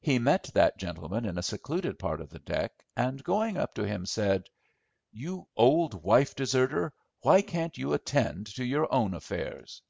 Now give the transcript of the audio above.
He met that gentleman in a secluded part of the deck, and, going up to him, said— "You old wife deserter, why can't you attend to your own affairs?"